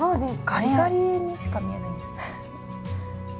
ガリガリにしか見えないんですけど。